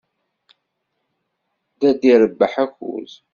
La d-irebbeḥ akud.